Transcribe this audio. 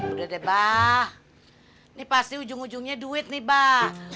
udah deh ini pasti ujung ujungnya duit nih